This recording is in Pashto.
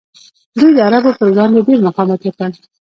دوی د عربو پر وړاندې ډیر مقاومت وکړ